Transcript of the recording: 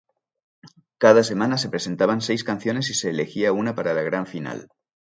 Cada semana se presentaban seis canciones y se elegía una para la gran final.